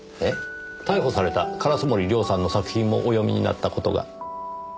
逮捕された烏森凌さんの作品もお読みになった事が？